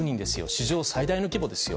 史上最大の規模ですよ。